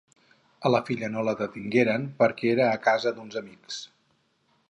A la filla no la detingueren perquè era a casa d'uns amics.